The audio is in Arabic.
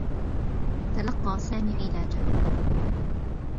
تلقّى سامي علاجا.